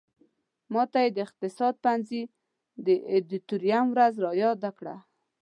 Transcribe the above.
ماته یې د اقتصاد پوهنځي د ادیتوریم ورځ را یاده کړه.